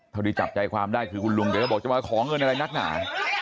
ที่จับใจความได้คือคุณลุงแกก็บอกจะมาขอเงินอะไรนักหนา